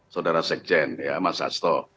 saudara sekjen ya mas asto